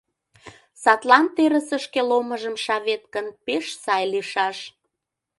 Садлан терысышке ломыжым шавет гын, пеш сай лийшаш.